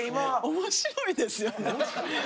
面白いですよね。